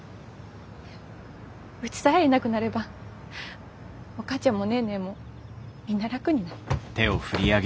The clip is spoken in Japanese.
うちさえいなくなればお母ちゃんもネーネーもみんな楽になる。